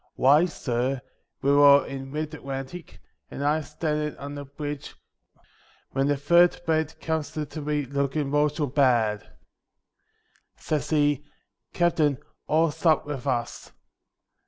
Why, sur, we war in mid Atlantic, and I stand in' on the bridge, when the third mate comes up to me lookin' mortial bad. Says he, "Captain, all's up with us."